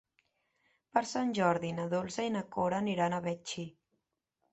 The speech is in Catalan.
Per Sant Jordi na Dolça i na Cora aniran a Betxí.